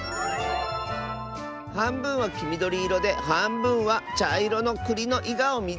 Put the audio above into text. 「はんぶんはきみどりいろではんぶんはちゃいろのくりのいがをみつけた！」。